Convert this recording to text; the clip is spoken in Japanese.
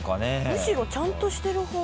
むしろちゃんとしてる方。